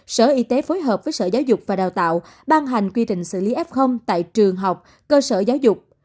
sở y tế phối hợp với sở giáo dục và đào tạo ban hành quy định xử lý f tại trường học cơ sở giáo dục